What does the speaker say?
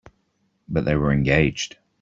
But they were engaged.